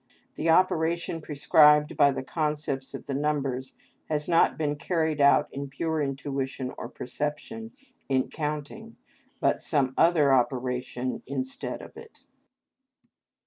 The operation prescribed by the concepts of the numbers has not been carried out in pure intuition or perception, in counting, but some other operation instead of it.